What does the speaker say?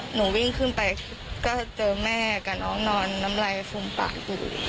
หนูวิ่งขึ้นไปก็เจอแม่กับน้องนอนน้ำลายฟุมปากอยู่